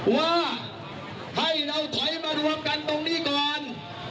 ว่าให้เราถอยมารวมกันตรงนี้ก่อน